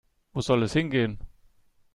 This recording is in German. Wo soll es hingehen?